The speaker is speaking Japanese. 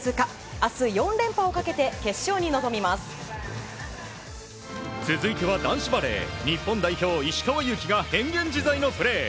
明日４連覇をかけて続いては男子バレー日本代表、石川祐希が変幻自在のプレー。